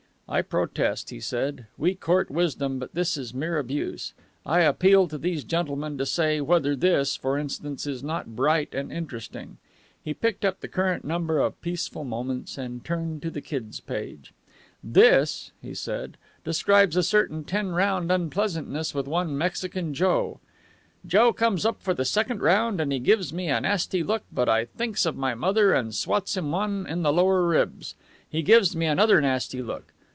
"I protest," he said. "We court criticism, but this is mere abuse. I appeal to these gentlemen to say whether this, for instance, is not bright and interesting." He picked up the current number of Peaceful Moments, and turned to the Kid's page. "This," he said, "describes a certain ten round unpleasantness with one Mexican Joe. 'Joe comes up for the second round and he gives me a nasty look, but I thinks of my mother and swats him one in the lower ribs. He gives me another nasty look.